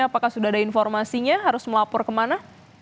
apakah sudah ada informasinya harus melapor kemana